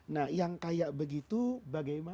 nah yang kayak begitu bagaimana